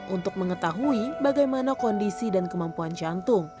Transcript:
untuk mengetahui bagaimana kondisi dan kemampuan jantung